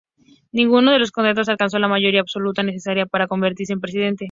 Ninguno de los candidatos alcanzó la mayoría absoluta necesaria para convertirse en presidente.